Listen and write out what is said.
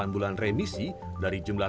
enam bulan remisi dari jumlah